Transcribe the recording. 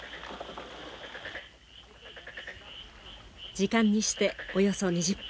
時間にしておよそ２０分。